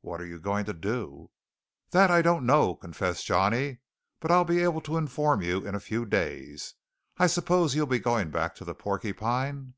"What are you going to do?" "That I don't know," confessed Johnny, "but I'll be able to inform you in a few days. I suppose you'll be going back to the Porcupine?"